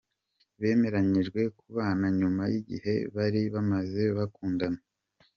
Bemeranyijwe kubana nyuma y'igihe bari bamaze bakundana.